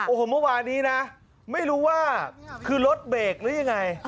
โอ้โหเมื่อวานนี้นะไม่รู้ว่าคือรถเบรกหรือยังไง